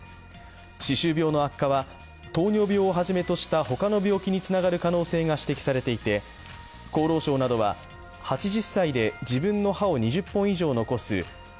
歯周病の悪化は糖尿病をはじめとした他の病気につながる可能性が指摘されていて厚労省などは、８０歳で自分の歯を２０本以上残す８０２０